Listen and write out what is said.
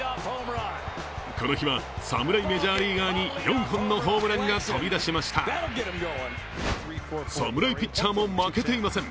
この日は、侍メジャーリーガーに４本のホームランが飛び出しました侍ピッチャーも負けていません。